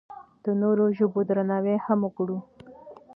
د نورو ژبو درناوی هم وکړو.